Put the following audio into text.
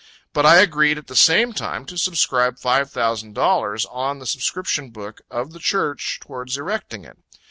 But I agreed at the same time to subscribe five thousand dollars on the subscription book of the Church towards erecting it.